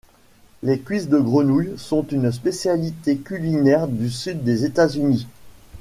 Les cuisses de grenouille sont une spécialité culinaire du sud des États-Unis.